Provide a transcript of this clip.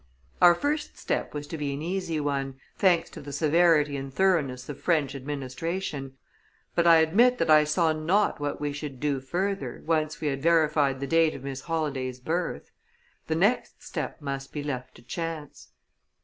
Our first step was to be an easy one, thanks to the severity and thoroughness of French administration, but I admit that I saw not what we should do further, once we had verified the date of Miss Holladay's birth. The next step must be left to chance.